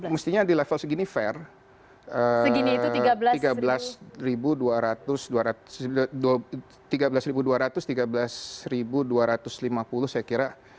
mestinya di level segini fair tiga belas dua ratus tiga belas dua ratus lima puluh saya kira